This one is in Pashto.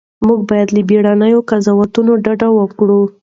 موږ باید له بیړنیو قضاوتونو ډډه وکړو.